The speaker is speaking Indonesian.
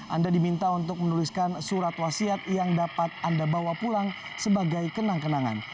anda diminta untuk menuliskan surat wasiat yang dapat anda bawa pulang sebagai kenang kenangan